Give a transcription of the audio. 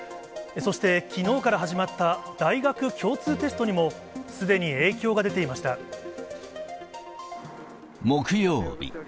そしてきのうから始まった大学共通テストにも、すでに影響が出て木曜日。